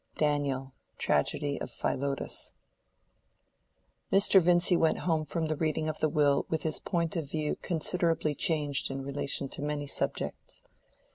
—DANIEL: Tragedy of Philotas. Mr. Vincy went home from the reading of the will with his point of view considerably changed in relation to many subjects.